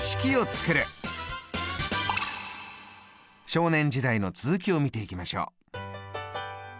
少年時代の続きを見ていきましょう。